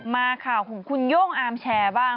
มาข่าวของคุณโย่งอาร์มแชร์บ้าง